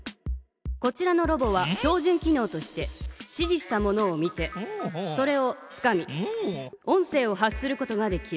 こちらのロボは標じゅん機のうとして指じしたものを見てそれをつかみ音声を発することができる。